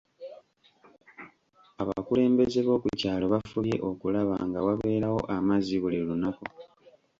Abakulembeze b'oku kyalo bafubye okulaba nga wabeerawo amazzi buli lunaku.